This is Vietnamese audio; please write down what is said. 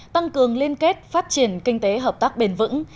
tăng cường liên kết phát triển kinh tế hợp tác bền vững